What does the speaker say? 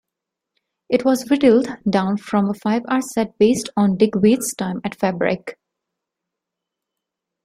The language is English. It was whittled down from a five-hour set based on Digweed's time at Fabric.